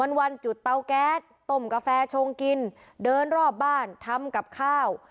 วันจุดเตาแก๊สต้มกาแฟชงกินเดินรอบบ้านทำกับข้าว